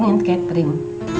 coba kamu hubungi catering